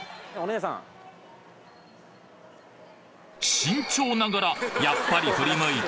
慎重ながらやっぱり振り向いた